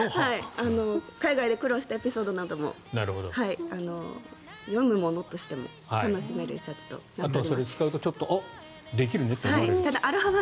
海外で苦労したエピソードなんかも読むものとしても楽しめる１冊となっております。